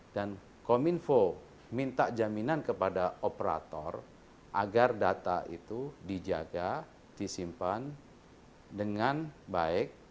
dan kominfo minta jaminan kepada operator agar data itu dijaga disimpan dengan baik